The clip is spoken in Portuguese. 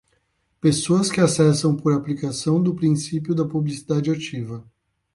Pessoas que acessam por aplicação do princípio da publicidade ativa.